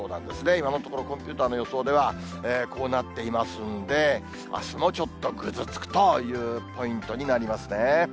今のところ、コンピューターの予想ではこうなっていますんで、あすもちょっとぐずつくというポイントになりますね。